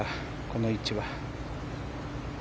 この位置は。